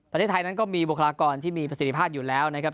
ประเทศไทยนั้นก็มีบุคลากรที่มีประสิทธิภาพอยู่แล้วนะครับ